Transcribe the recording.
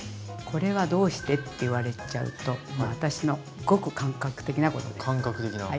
これはどうしてって言われちゃうともう私のごく感覚的なことです。